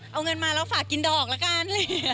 เอาเงินมาแล้วฝากกินดอกละกัน